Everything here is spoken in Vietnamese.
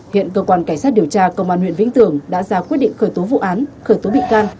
hiện cơ quan cảnh sát điều tra công an huyện vĩnh tường đã ra quyết định khởi tố vụ án khởi tố bị can